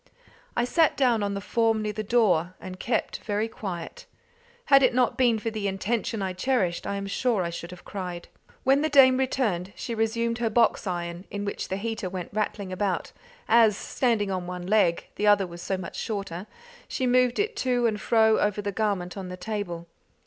I sat down on the form near the door, and kept very quiet. Had it not been for the intention I cherished, I am sure I should have cried. When the dame returned, she resumed her box iron, in which the heater went rattling about, as, standing on one leg the other was so much shorter she moved it to and fro over the garment on the table.